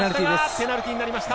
ペナルティーになりました。